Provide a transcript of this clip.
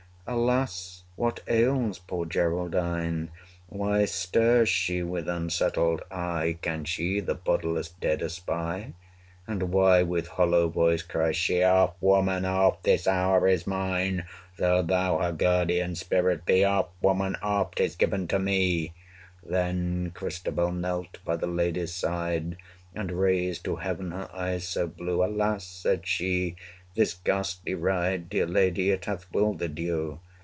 Alas! what ails poor Geraldine? Why stares she with unsettled eye? Can she the bodiless dead espy? And why with hollow voice cries she, 210 'Off, woman, off! this hour is mine Though thou her guardian spirit be, Off, woman, off! 'tis given to me.' Then Christabel knelt by the lady's side, And raised to heaven her eyes so blue 215 Alas! said she, this ghastly ride Dear lady! it hath wildered you!